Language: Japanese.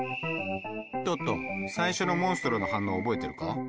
トット最初のモンストロの反応を覚えてるか？